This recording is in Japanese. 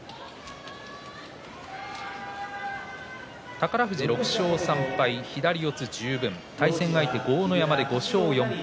宝富士６勝３敗左四つ十分対戦相手豪ノ山、５勝４敗